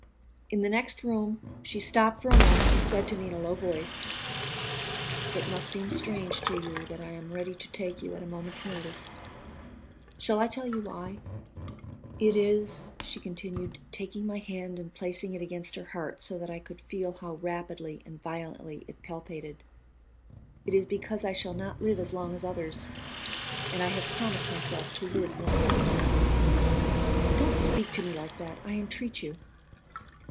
In the next room she stopped for a moment and said to me in a low voice: "It must seem strange to you that I am ready to take you at a moment's notice. Shall I tell you why? It is," she continued, taking my hand and placing it against her heart so that I could feel how rapidly and violently it palpitated; "it is because I shall not live as long as others, and I have promised myself to live more quickly." "Don't speak to me like that, I entreat you."